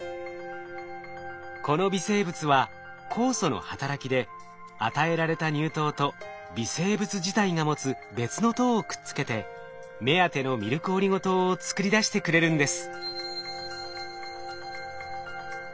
この微生物は酵素の働きで与えられた乳糖と微生物自体が持つ別の糖をくっつけて目当てのミルクオリゴ糖を作り出してくれるんです。